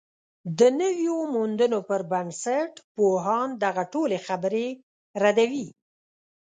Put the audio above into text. د نویو موندنو پر بنسټ، پوهان دغه ټولې خبرې ردوي